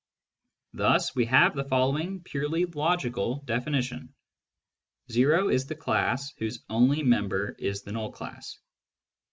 Thus we have the following purely logical definition :— o is the class whose only member is the null class.